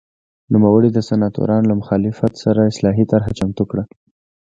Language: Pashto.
نوموړي د سناتورانو له مخالفت سره اصلاحي طرحه چمتو کړه